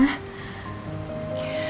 aku harus dateng ma